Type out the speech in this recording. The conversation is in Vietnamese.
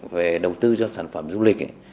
về đầu tư cho sản phẩm du lịch